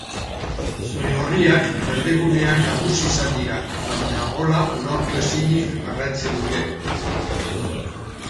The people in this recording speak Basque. Zuri-gorriak berdegunean nagusi izan dira, baina gola lortu ezinik jarraitzen dute.